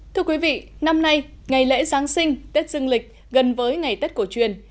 thưa quý vị năm nay ngày lễ giáng sinh tết dương lịch gần với ngày tết cổ truyền